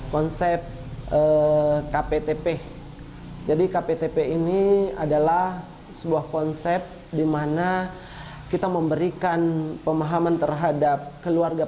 konsep kptp jadi kptp ini adalah sebuah konsep dimana kita memberikan pemahaman terhadap keluarga